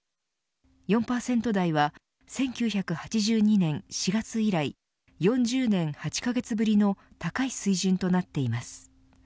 ４％台は１９８２年４月以来４０年８カ月ぶりの高い水準となっています。